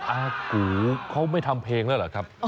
อากูเขาไม่ทำเพลงแล้วเหรอครับ